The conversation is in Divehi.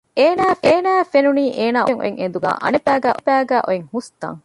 އޭނާއަށް ފެނުނީ އޭނާ އޮށޯވެގެން އޮތް އެނދުގެ އަނެއްބައިގައި އޮތް ހުސްތަން